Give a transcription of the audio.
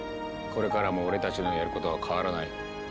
これからも俺たちのやることは変わらない。